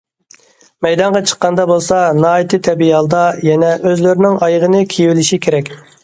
مەيدانغا چىققاندا بولسا ناھايىتى تەبىئىي ھالدا يەنە ئۆزلىرىنىڭ ئايىغىنى كىيىۋېلىشى كېرەك.